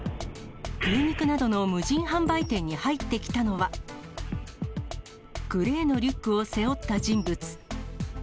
牛肉などの無人販売店に入ってきたのは、グレーのリュックを背負った人物。